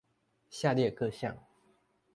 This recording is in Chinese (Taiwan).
下列各項